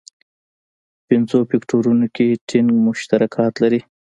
پنځو فکټورونو کې ټینګ مشترکات لري.